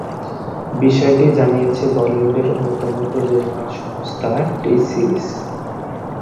বিষয়টি জানিয়েছে বলিউডের অন্যতম প্রযোজনা সংস্থা টি-সিরিজ।